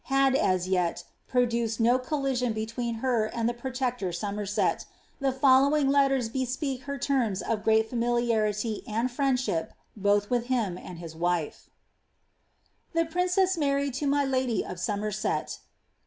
had, as yet, proiluced no collision be tween her and the protector Somerset ; the following letters bespeak her on terms of great familiarity and friendship both witli him and his wife :— TaB PaiircEss Mart to mt Ladt or SoxiassT.